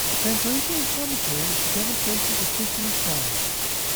A Translation and Commentary of the Demonstrations of Histories, trans.